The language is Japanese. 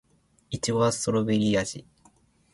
いちごはストベリー味